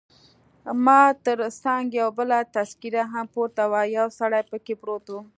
ما تر څنګ یو بله تذکیره هم پرته وه، یو سړی پکښې پروت وو.